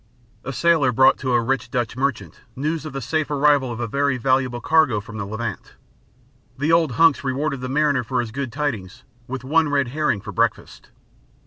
A sailor brought to a rich Dutch merchant news of the safe arrival of a very valuable cargo from the Levant. The old hunks rewarded the mariner for his good tidings with one red herring for breakfast.